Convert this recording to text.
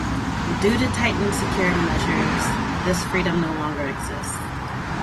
Due to tightened security measures, this freedom no longer exists.